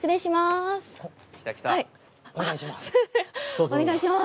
お願いします。